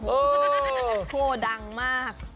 โอ้โหดังมาก